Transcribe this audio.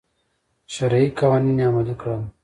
شرعي قوانین یې عملي کړل.